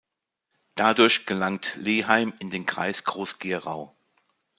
Dadurch gelangt Leeheim in den Kreis Groß-Gerau.